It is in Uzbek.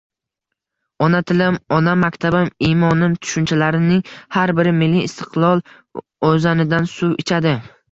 Ona tilim, onam, maktabim, iymonim tushunchalarining har biri milliy istiqlol oʻzanidan suv ichadi.